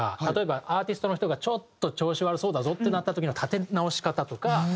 例えばアーティストの人がちょっと調子悪そうだぞってなった時の立て直し方とか。